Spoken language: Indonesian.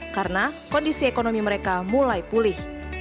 karena kondisi ekonomi mereka mulai pulih